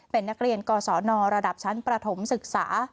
เป็นนักเรียนกศนระดับชั้นประถมศึกษา